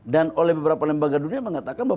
dan oleh beberapa lembaga dunia mengatakan bahwa